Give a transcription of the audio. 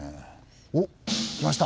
おっ来ました。